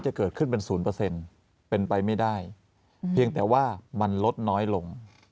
จะเกิดขึ้นเป็น๐เป็นไปไม่ได้เพียงแต่ว่ามันลดน้อยลง